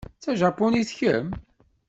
D tajapunit kemm?